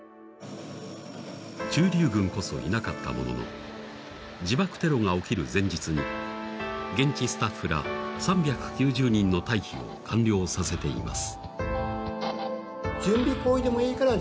駐留軍こそいなかったものの、自爆テロが起きる前日に現地スタッフら３９０人の退避を完了させています。